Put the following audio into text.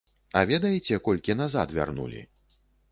А ведаеце, колькі назад вярнулі?